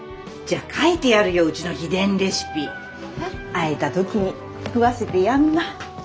会えた時に食わせてやんな。